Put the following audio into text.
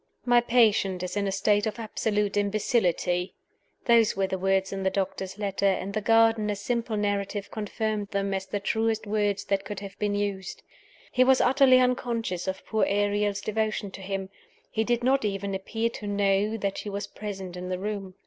"My patient is in a state of absolute imbecility" those were the words in the doctor's letter; and the gardener's simple narrative confirmed them as the truest words that could have been used. He was utterly unconscious of poor Ariel's devotion to him he did not even appear to know that she was present in the room.